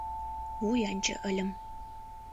Вуянче ыльым.